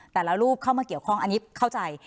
แต่ละรูปเข้ามาเกี่ยวข้องอันนี้เข้าใจ